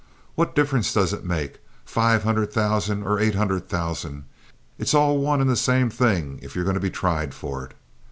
What difference does it make—five hundred thousand or eight hundred thousand? It's all one and the same thing, if you're going to be tried for it.